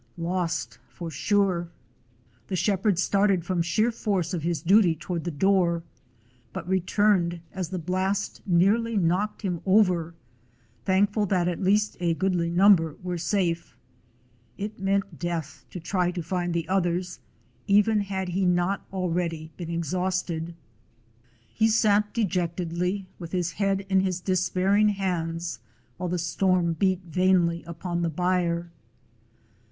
Lost, for sure! The shepherd started from sheer force of his duty toward the door, but returned as the blast nearly knocked him over, thankful that at least a goodly number were safe. It meant death to try to find the others, even had he not already been exhausted. He 135 DOG HEROES OF MANY LANDS sat dejectedly, with his head in his despairing hands, while the storm beat vainly upon the byre.